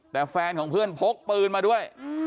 แต่แฟนของเพื่อนพกปืนมาด้วย